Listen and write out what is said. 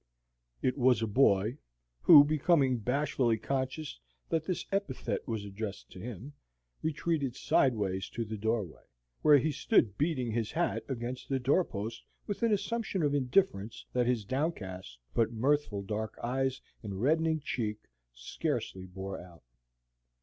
It was a boy, who, becoming bashfully conscious that this epithet was addressed to him, retreated sideways to the doorway, where he stood beating his hat against the door post with an assumption of indifference that his downcast but mirthful dark eyes and reddening cheek scarcely bore out.